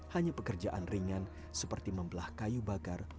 hanya pekerjaan ringan seperti membelah kayu bakar